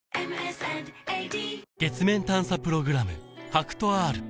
月面探査プログラム